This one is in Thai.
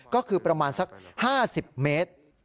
ก็คือประมาณสัก๕๐เมตร